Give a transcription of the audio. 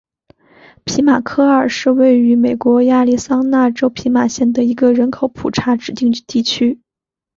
皮马科二是位于美国亚利桑那州皮马县的一个人口普查指定地区。